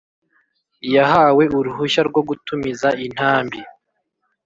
Yahawe uruhushya rwo gutumiza intambi